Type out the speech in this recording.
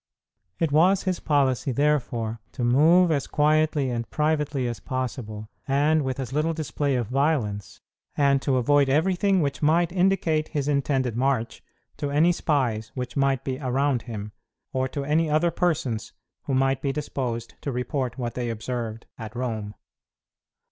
It was his policy, therefore, to move as quietly and privately as possible, and with as little display of violence, and to avoid everything which might indicate his intended march to any spies which might be around him, or to any other persons who might be disposed to report what they observed, at Rome.